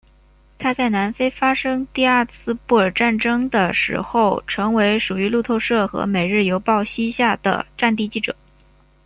他在南非发生第二次布尔战争的时候成为属于路透社和每日邮报膝下的战地记者。